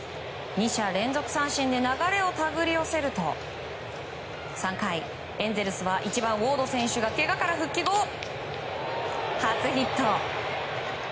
２者連続三振で流れを手繰り寄せると３回、エンゼルスは１番、ウォード選手がけがから復帰後初ヒット。